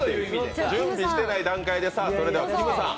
準備してない段階できむさん